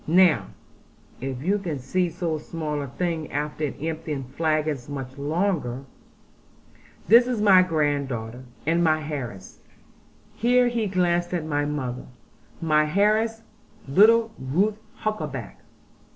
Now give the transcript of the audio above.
Now (if you can see so small a thing, after emptying flagons much larger) this is my granddaughter, and my heiress' here he glanced at mother 'my heiress, little Ruth Huckaback.'